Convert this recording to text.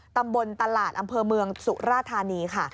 ตำบลตลาดอำเภอเมืองสุราธานีค่ะ